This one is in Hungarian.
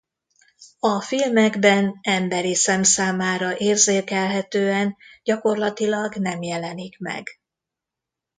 A filmekben emberi szem számára érzékelhetően gyakorlatilag nem jelenik meg.